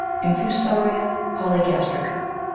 12. INFUSO'RIA POLYGAS'TRICA.